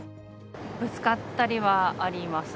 ぶつかったりはあります。